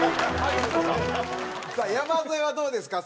さあ山添はどうですか？